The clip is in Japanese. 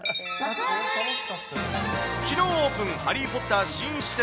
きのうオープン、ハリー・ポッター新施設。